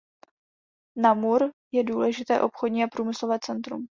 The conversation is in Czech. Namur je důležité obchodní a průmyslové centrum.